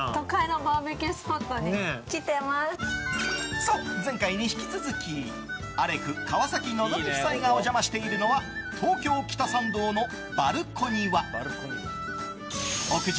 そう、前回に引き続きアレク・川崎希夫妻がお邪魔しているのは東京・北参道のＢＡＬＣＯＮＩＷＡ。